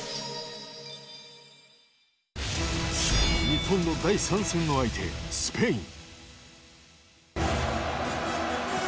日本の第３戦の相手スペイン。